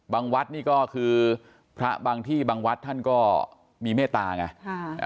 วัดนี่ก็คือพระบางที่บางวัดท่านก็มีเมตตาไง